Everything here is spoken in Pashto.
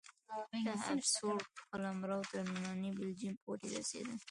د هابسبورګ قلمرو تر ننني بلجیم پورې رسېده.